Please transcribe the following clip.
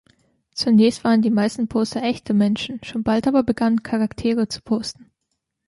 Zunächst waren die meisten Poster „echte Menschen“, schon bald aber begannen „Charaktere“ zu posten.